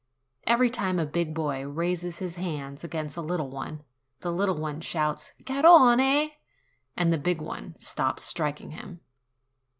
Every time a big boy raises his hand against a little one, the little one shouts, "Garrone!" and the big one stops striking him.